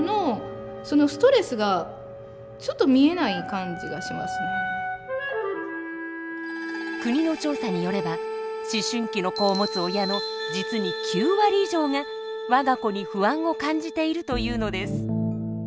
何を言っても国の調査によれば思春期の子を持つ親の実に９割以上がわが子に不安を感じているというのです。